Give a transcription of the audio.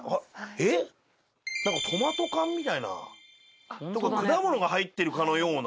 えっなんかトマト缶みたいな果物が入ってるかのような。